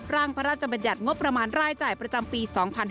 พระราชบัญญัติงบประมาณรายจ่ายประจำปี๒๕๕๙